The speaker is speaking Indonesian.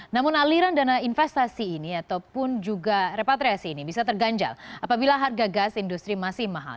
namun aliran dana investasi ini ataupun juga repatriasi ini bisa terganjal apabila harga gas industri masih mahal